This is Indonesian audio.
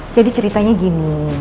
jadi ceritanya gini